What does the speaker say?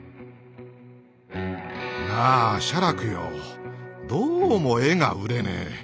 なあ写楽よどうも絵が売れねえ。